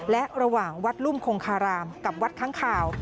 และระหว่างวัดรุ่มคงคารามกับวัดค้างคาว